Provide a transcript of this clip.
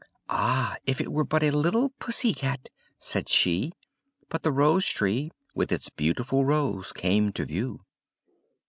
"Ah, if it were but a little pussy cat!" said she; but the rose tree, with its beautiful rose came to view.